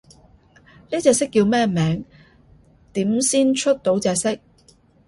呢隻色叫咩名？點先出到隻色？